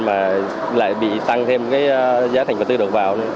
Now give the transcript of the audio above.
mà lại bị tăng thêm cái giá thành vật tư đầu vào